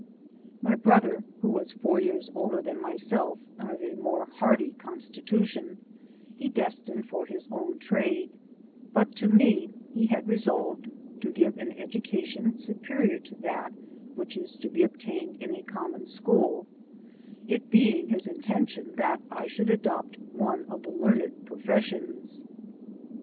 My brothet, who was * B ' four years older than myself and of a more hardy coDsitution, he destined for his own trade, but to me he had resolved to give an education supe rior to that which is to be obtained in a common school, it being his intention that I should adopt one of the learned professions.